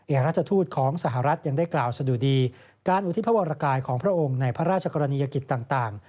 เอกราชทูตของสหรัฐยังได้กล่าวสะดุดีการอุทิพระวรกายของพระองค์ในพระราชกรณียกิจต่าง